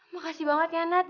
makasih banget ya nat